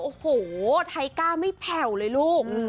โอ้โหไทก้าไม่แผ่วเลยลูก